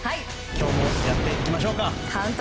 今日もやっていきましょう。